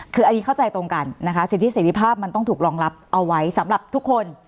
คืออันนี้เข้าใจตรงกันนะคะสิทธิเสรีภาพมันต้องถูกรองรับเอาไว้สำหรับทุกคน